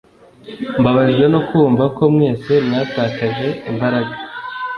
Mbabajwe no kumva ko mwese mwatakaje imbaraga